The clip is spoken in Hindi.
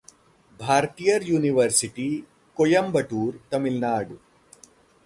भारतियर यूनिवर्सिटी, कोयंबटुर, तमिलनाडु